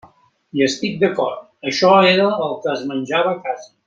Hi estic d'acord: això era el que es menjava a casa.